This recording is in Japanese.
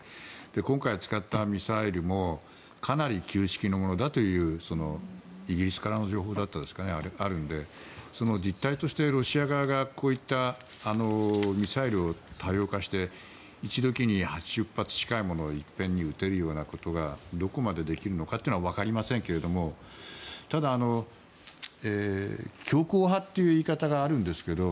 今回使ったミサイルもかなり旧式のものだというイギリスからの情報があるのでその実態としてロシア側がこういったミサイルを多様化して一時に８０発近いものをいっぺんに打てるようなことがどこまでできるかは分かりませんけどただ、強硬派という言い方があるんですけど